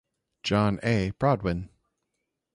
John A. Broadwin.